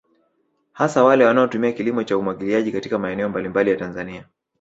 Hasa wale wanaotumia kilimo cha umwagiliaji katika maeneo mbalimbali ya Tanzania